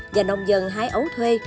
và nông dân hái ấu thuê